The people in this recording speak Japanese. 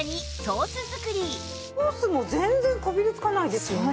ソースも全然こびりつかないですよね。